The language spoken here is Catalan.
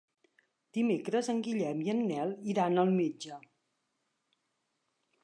Dimecres en Guillem i en Nel iran al metge.